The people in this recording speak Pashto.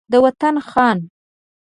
د وطن خان